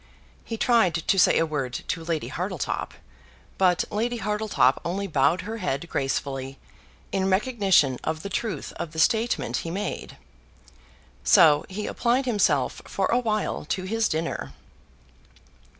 He tried to say a word to Lady Hartletop, but Lady Hartletop only bowed her head gracefully in recognition of the truth of the statement he made. So he applied himself for a while to his dinner.